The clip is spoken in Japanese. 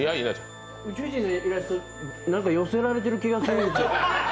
宇宙人のイラストなんか寄せられてる気がするんですけど。